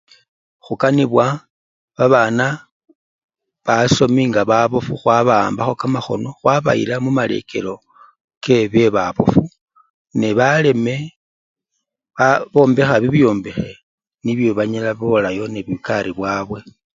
Khukanibwa babana basomi nga babofu khwabaambakho kamakhono khwbayila mumalekelo kebyebabofu nebaleme ba! bombekha bibyombekhe nibyo banyala bolayo nende bukari bwabwe.